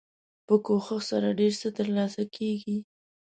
په کوښښ سره ډیر څه تر لاسه کیږي.